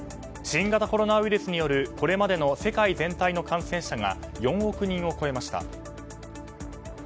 新型コロナウイルスによるこれまでの世界全体の感染者が４億人を超えました。